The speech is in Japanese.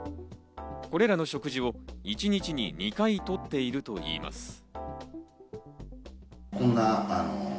これらの食事を一日に２回とっているといいます。